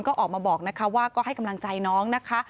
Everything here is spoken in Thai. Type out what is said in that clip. ก็ออกมาบอกนะคะว่าก็ให้กำลังใจน้องนะคะ